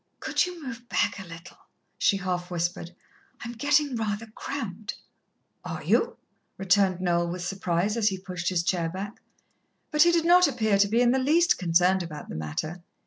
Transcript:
"Could you move back a little?" she half whispered. "I am getting rather cramped." "Are you?" returned Noel with surprise, as he pushed his chair back. But he did not appear to be in the least concerned about the matter.